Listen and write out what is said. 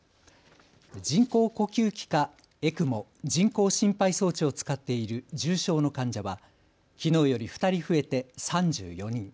人工呼吸器かＥＣＭＯ・人工心肺装置を使っている重症の患者はきのうより２人増えて３４人。